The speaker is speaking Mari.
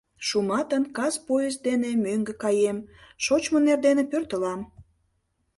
Шуматын, кас поезд дене, мӧҥгӧ каем, шочмын эрдене пӧртылам.